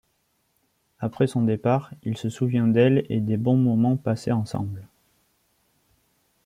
Après son départ, il se souvient d'elle et des bons moments passés ensemble.